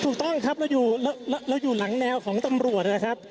ถูกต้องครับเราอยู่หลังแนวของตำรวจนะครับ